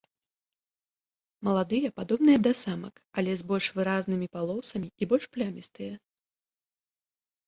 Маладыя падобныя да самак, але з больш выразнымі палосамі і больш плямістыя.